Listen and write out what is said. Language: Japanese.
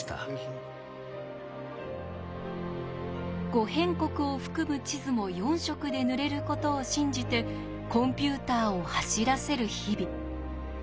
「五辺国」を含む地図も４色で塗れることを信じてコンピューターを走らせる日々。